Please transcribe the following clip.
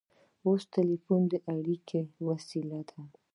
اوس ټیلیفون د اړیکې وسیله ده.